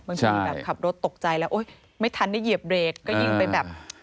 บางทีแบบขับรถตกใจแล้วโอ๊ยไม่ทันได้เหยียบเบรกก็ยิงไปแบบ